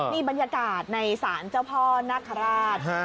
นี่บรรยากาศในศาลเจ้าพ่อนาคาราช